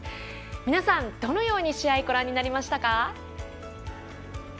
皆さん、どのように試合ご覧になりましたか？